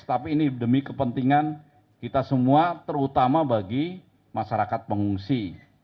tapi ini demi kepentingan kita semua terutama bagi masyarakat pengungsi